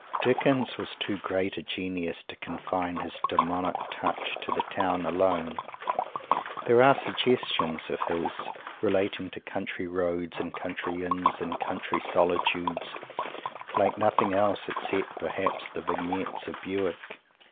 Dickens was too great a genius to confine his demonic touch to the town alone. There are suggestions of his, relating to country roads and country Inns and country solitudes, like nothing else, except, perhaps, the Vignettes of Bewick.